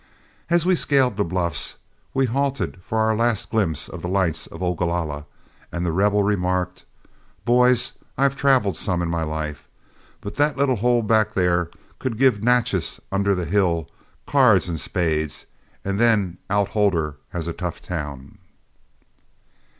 As we scaled the bluffs, we halted for our last glimpse of the lights of Ogalalla, and The Rebel remarked, "Boys, I've traveled some in my life, but that little hole back there could give Natchez under the hill cards and spades, and then outhold her as a tough town."